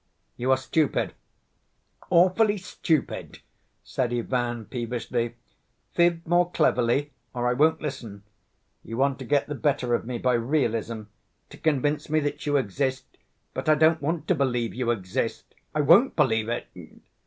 "You are stupid, awfully stupid," said Ivan peevishly. "Fib more cleverly or I won't listen. You want to get the better of me by realism, to convince me that you exist, but I don't want to believe you exist! I won't believe it!"